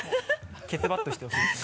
ケツバットしてほしいです。